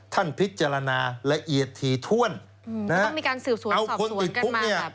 ท่านพิจารณาละเอียดทีท่วนเอาคนติดพุ่งเนี่ย